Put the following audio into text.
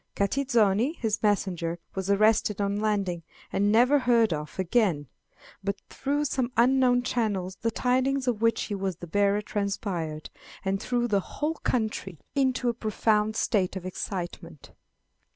Catizoni, his messenger, was arrested on landing, and never heard of again; but through some unknown channels the tidings of which he was the bearer transpired, and threw the whole country into a profound state of excitement.